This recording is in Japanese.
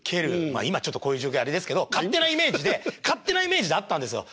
まあ今こういう状況あれですけど勝手なイメージで勝手なイメージであったんですよ。